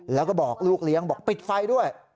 แล้วก็บอกลูกเลี้ยงบอกปิดไฟด้วย